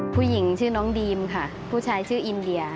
ผู้หญิงชื่อน้องดีมค่ะผู้ชายชื่ออินเดีย